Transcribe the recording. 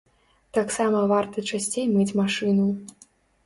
Таксама варта часцей мыць машыну.